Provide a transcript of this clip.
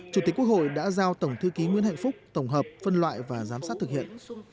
chủ tịch quốc hội đã giao tổng thư ký nguyễn hạnh phúc tổng hợp phân loại và giám sát thực hiện